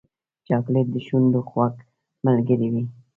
چاکلېټ د شونډو خوږ ملګری وي.